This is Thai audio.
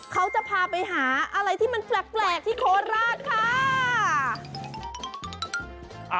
เขาจะพาไปหาอะไรที่มันแปลกที่โคราชค่ะ